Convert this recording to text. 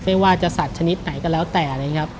ไม่ว่าจะสัตว์ชนิดไหนก็แล้วแต่นะครับ